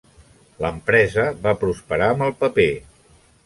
L'empresa va prosperar amb el paper.